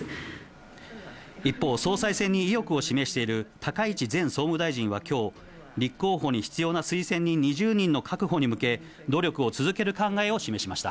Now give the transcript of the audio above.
一方、総裁選に意欲を示している高市前総務大臣はきょう、立候補に必要な推薦人２０人の確保に向け、努力を続ける考えを示しました。